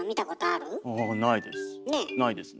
あないです。